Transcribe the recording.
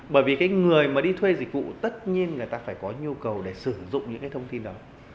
bởi vì cái người mà đi thuê dịch vụ tất nhiên người ta phải có nhu cầu để sử dụng những cái thông tin đó